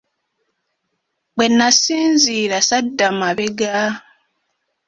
Bwe nasinziira, sadda mabega.